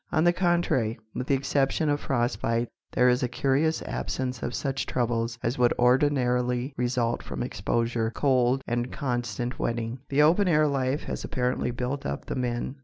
On the contrary, with the exception of frost bite, there is a curious absence of such troubles as would ordinarily result from exposure, cold and constant wetting. The open air life has apparently built up the men.